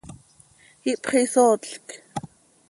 Ihpxisootlc.